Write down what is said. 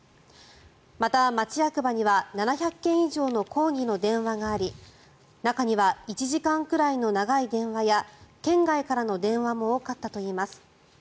また、町役場には７００件以上の抗議の電話があり中には１時間くらいの長い電話や県外からの電話も多かったといいます。